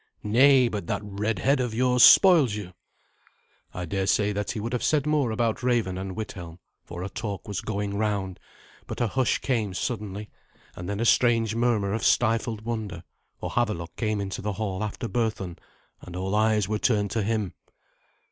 Nay, but that red head of yours spoils you." I daresay that he would have said more about Raven and Withelm, for a talk was going round; but a hush came suddenly, and then a strange murmur of stifled wonder, for Havelok came into the hall after Berthun, and all eyes were turned to him.